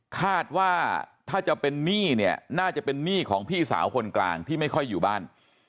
คาดว่าถ้าจะเป็นหนี้เนี่ยน่าจะเป็นหนี้ของพี่สาวคนกลางที่ไม่ค่อยอยู่บ้าน